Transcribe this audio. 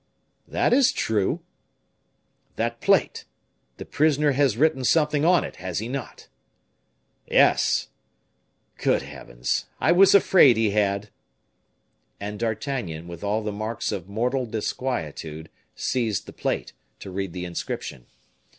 "That is true." "That plate the prisoner has written something on it, has he not?" "Yes." "Good heavens! I was afraid he had." And D'Artagnan, with all the marks of mortal disquietude, seized the plate, to read the inscription.